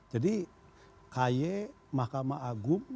jadi kaye mahkamah agung